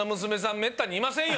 めったにいませんよ！